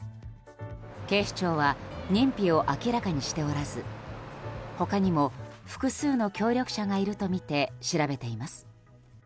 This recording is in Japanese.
警視庁は認否を明らかにしておらず他にも複数の協力者がいるとみて調べています。